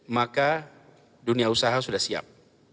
maka dunia usaha sudah siap